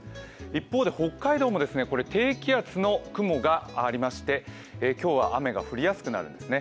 一方で北海道も、低気圧の雲がありまして、今日は雨が降りやすくなるんです。